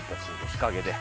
日陰で。